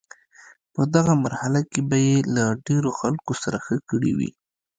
په دغه مرحله کې به یې له ډیرو خلکو سره ښه کړي وي.